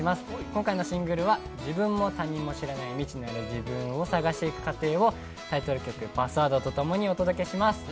今回のシングルは自分も他人も知らない未知なる自分を探していく過程をタイトル曲「Ｐａｓｓｗｏｒｄ」と共にお届けします。